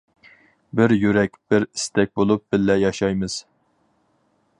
بىر يۈرەك، بىر ئىستەك بولۇپ بىللە ياشايمىز.